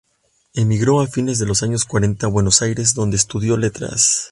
Emigró a fines de los años cuarenta a Buenos Aires, donde estudió Letras.